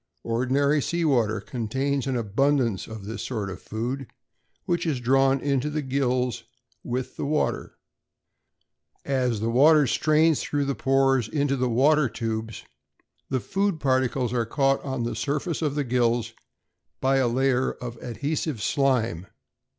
Ordinary sea water contains an abundance of this sort of food, which is drawn into the gills with the water. As the water strains through the pores into the water tubes, the food particles are caught on the surface of the gills by a layer of adhesive slime.